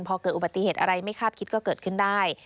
พอเกิดอุบัติเหตุอะไรไม่คาดคิดก็เกิดขึ้นได้